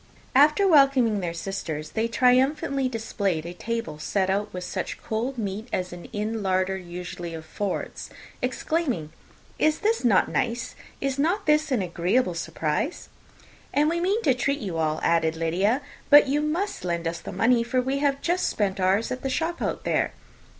After welcoming their sisters, they triumphantly displayed a table set out with such cold meat as an inn larder usually affords, exclaiming, "Is not this nice? is not this an agreeable surprise?" "And we mean to treat you all," added Lydia; "but you must lend us the money, for we have just spent ours at the shop out there."